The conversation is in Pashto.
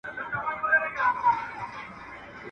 o چي ملا وايي، هغه کوه، چي ملا ئې کوي، هغه مه کوه.